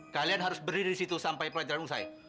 kalian harus berdiri di situ sampai pelajaran lu selesai